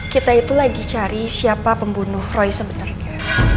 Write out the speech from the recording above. kita itu lagi cari siapa pembunuh roy sebenarnya